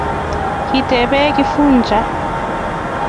Kitebe Kifuja